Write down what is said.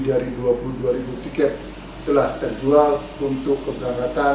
dari dua puluh dua ribu tiket telah terjual untuk keberangkatan